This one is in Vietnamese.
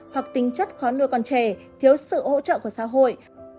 hoặc tính chất khó nuôi còn trẻ thiếu sự hỗ trợ của xã hội